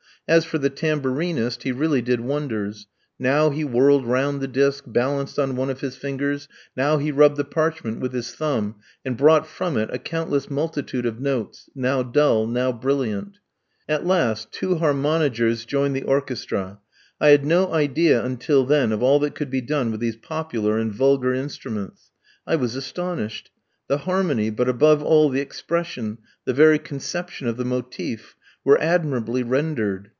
As for the tambourinist, he really did wonders. Now he whirled round the disk, balanced on one of his fingers; now he rubbed the parchment with his thumb, and brought from it a countless multitude of notes, now dull, now brilliant. At last two harmonigers join the orchestra. I had no idea until then of all that could be done with these popular and vulgar instruments. I was astonished. The harmony, but, above all, the expression, the very conception of the motive, were admirably rendered.